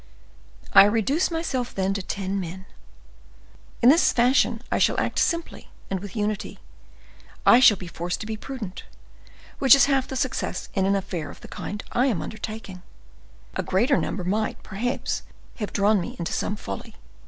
I reduce myself then to ten men; in this fashion I shall act simply and with unity; I shall be forced to be prudent, which is half the success in an affair of the kind I am undertaking; a greater number might, perhaps, have drawn me into some folly.